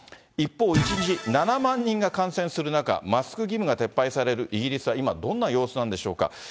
一方、１日７万人が感染する中、マスク義務が撤廃されるイギリスは今、どんな様子なんでしょうか。